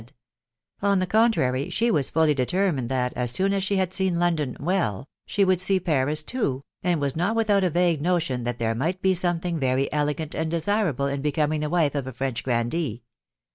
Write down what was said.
head ; on the contrary, she was fully determined that, as sra as she had seen London " well," she would see Paris too, sod was not without a vague notion that there might he somethog very elegant and desirable in becoming die wife of a FrenA grandee.